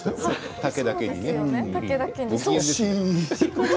竹だけに。